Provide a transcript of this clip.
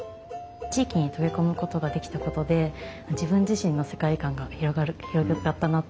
地域に溶け込むことができたことで自分自身の世界観が広がったなと思っています。